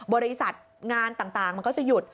บริษัทงานต่างมันก็จะหยุด